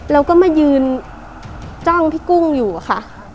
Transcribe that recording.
แล้วก็มายืนจ้างพี่กุ้งอยู่อะค่ะ